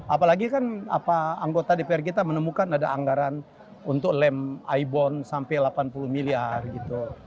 apalagi kan anggota dpr kita menemukan ada anggaran untuk lem ibon sampai delapan puluh miliar gitu